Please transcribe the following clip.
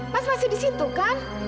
pas masih di situ kan